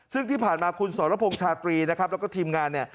ซึ่งที่ผ่านมาคุณสวรพงษ์ชาตรีและทีมงาน